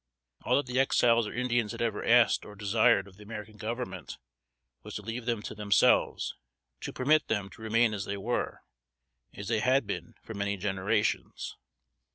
All that the Exiles or Indians had ever asked or desired of the American Government, was to leave them to themselves; to permit them to remain as they were, as they had been for many generations.